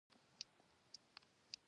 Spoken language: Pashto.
کلکه سطحه ډېر فریکشن جوړوي.